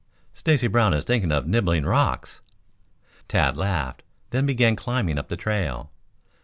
"Stacy Brown is thinking of nibbling rocks." Tad laughed, then began climbing up the trail.